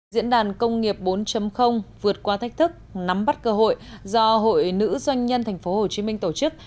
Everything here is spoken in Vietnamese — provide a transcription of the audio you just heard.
diễn đàn công nghiệp bốn vượt qua thách thức nắm bắt cơ hội do hội nữ doanh nhân tp hcm tổ chức